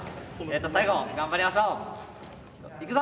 最後頑張りましょう。いくぞ！